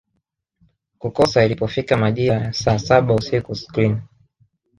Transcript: kukosa ilipofika majira ya saa saba usiku screen